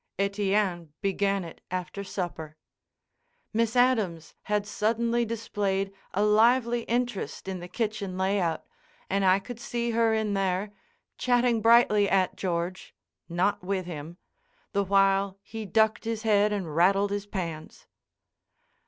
Etienne began it after supper. Miss Adams had suddenly displayed a lively interest in the kitchen layout and I could see her in there, chatting brightly at George—not with him—the while he ducked his head and rattled his pans.